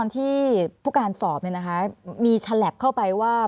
ที่ผู้การสอบนี่มีชัลแอบเข้าไปว่า